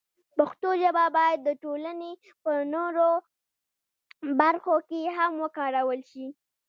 پښتو ژبه باید د ټولنې په نورو برخو کې هم وکارول شي.